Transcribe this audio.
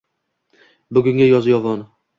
bugungi Yozyovon